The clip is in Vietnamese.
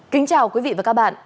kính chào quý vị và các bạn